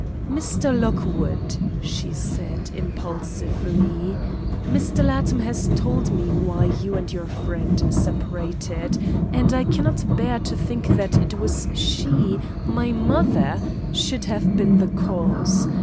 "Mr. Lockwood," she said, impulsively, "Mr. Latimer has told me why you and your friend separated, and I cannot bear to think that it was she my mother should have been the cause.